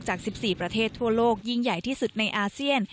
จาก๑๔ประเทศทั่วโลกยิ่งใหญ่ที่สุดในอาเซียน